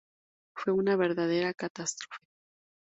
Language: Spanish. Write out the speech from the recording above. Fue una verdadera catástrofe.